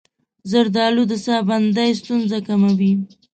زردآلو د ساه بندۍ ستونزې کموي.